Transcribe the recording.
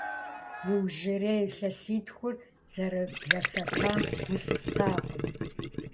Иужьрей илъэситхур зэрыблэлъэтам гу лъыстакъым.